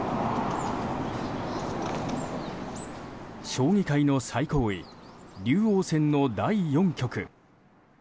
将棋界の最高位竜王戦の第４局。